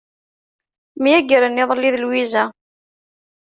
Myagren iḍelli d Lwiza.